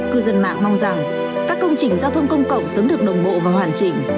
cư dân mạng mong rằng các công trình giao thông công cộng sớm được đồng bộ và hoàn chỉnh